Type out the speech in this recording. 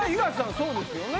そうですよね？